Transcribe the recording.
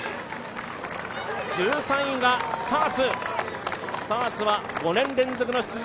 １３位がスターツですが、５年連続の出場。